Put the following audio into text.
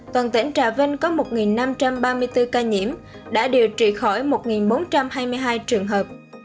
toàn tỉnh trà vinh có một năm trăm ba mươi bốn ca nhiễm đã điều trị khỏi một bốn trăm hai mươi hai trường hợp